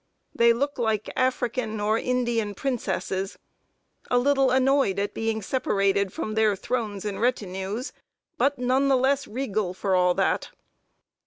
They look like African or Indian princesses, a little annoyed at being separated from their thrones and retinues, but none the less regal "for a' that."